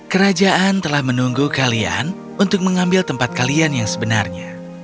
kerajaan telah menunggu kalian untuk mengambil tempat kalian yang sebenarnya